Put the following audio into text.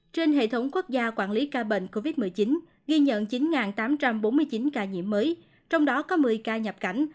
trên hệ thống quốc gia quản lý ca bệnh covid một mươi chín ghi nhận chín tám trăm bốn mươi chín ca nhiễm mới trong đó có một mươi ca nhập cảnh